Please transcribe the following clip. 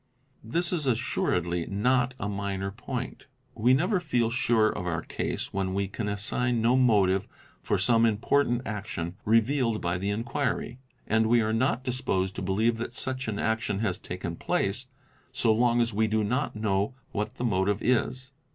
This is assuredly not a minor point. We never feel sure of our case when we can assign no motive for some important action revealed by the inquiry, and we are not disposed to be lieve that such an action has taken place so long as we do not know what the motive is.